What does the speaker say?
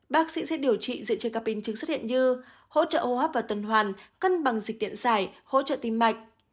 bác sĩ sẽ điều trị dựa trên các biến chứng xuất hiện như hỗ trợ hô hấp và tuần hoàn cân bằng dịch điện xảy hỗ trợ tìm mạch